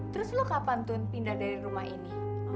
terus lo kapan tun pindah dari rumah ini